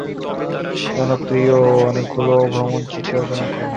তিনি জনপ্রিয় অনেকগুলো ভ্রমণচিঠি রচনা করেন।